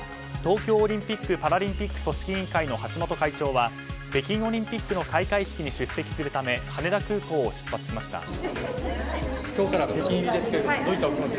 東京オリンピック・パラリンピック組織委員会の橋本会長は、北京オリンピックの開会式に出席するため羽田空港を出発しました。